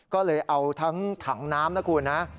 ก็เลยเอาทั้งถังน้ำนะคุณนะ